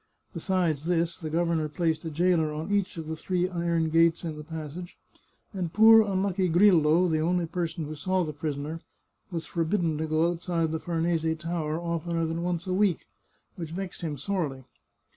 Besides this, the governor placed a jailer on each of the three iron gates in the passage, and poor, 334 The Chartreuse of Parma unlucky Grille, the only person who saw the prisoner, was forbidden to go outside the Farnese Tower oftener than once a week, which vexed him sorely.